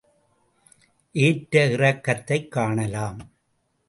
ஏற்ற இறக்கத்தைக் காணலாம்.